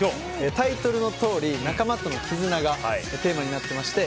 タイトルのとおり、仲間との絆がテーマになってまして